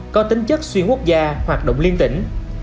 có tính chất xuyên quốc gia hoạt động liên tỉnh